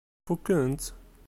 Fukkent-t?